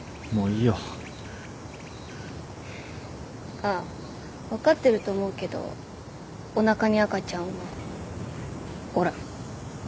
あっ分かってると思うけどおなかに赤ちゃんはおらん。